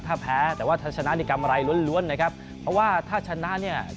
แท้แพ้แต่ถ้าชนะจะกำไรนะครับเพราะว่าถ้าชนะจะกลับมาแจ้งเกิดอีกครั้งนึง